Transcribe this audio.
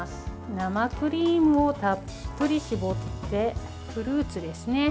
生クリームをたっぷり絞ってフルーツですね。